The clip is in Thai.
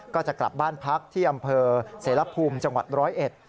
ก็จะกลับบ้านพักที่อำเภอเสรภูมิจังหวัดร้อยเอ็ด